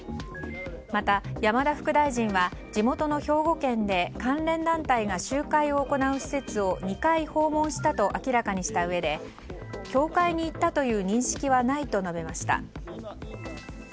また山田副大臣は地元の兵庫県で関連団体が集会を行う施設を２回訪問したと明らかにしたうえで教会に行ったという認識はないと述べました。